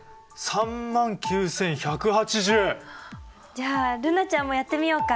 じゃあ瑠菜ちゃんもやってみようか。